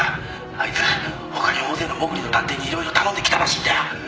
あいつ他に大勢のもぐりの探偵に色々頼んできたらしいんだよ。